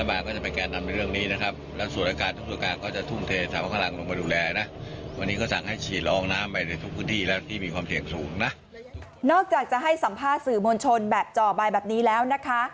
แบบเจาะใบแบบนี้แล้วนะคะ